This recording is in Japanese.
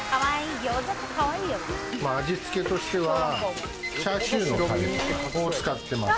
味つけとしてはチャーシューのタレを使ってます。